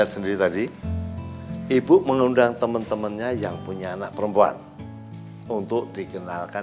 sendiri tadi ibu mengundang teman temannya yang punya anak perempuan untuk dikenalkan